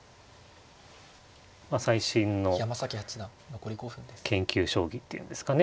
まあ最新の研究将棋っていうんですかね